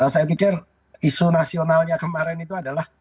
saya pikir isu nasionalnya kemarin itu adalah